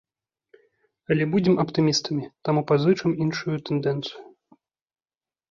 Але будзем аптымістамі, таму пазычым іншую тэндэнцыю.